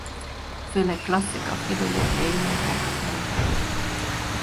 Főleg klasszika-filológiai munkákat nyomtatott.